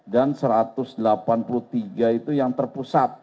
dan satu ratus delapan puluh tiga itu yang termusat